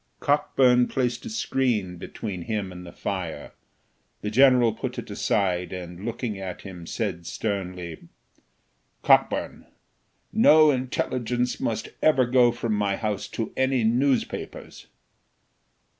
Cockburn placed a screen between him and the fire; the general put it aside, and, looking at him, said sternly "Cockburn, no intelligence must ever go from my house to any newspapers."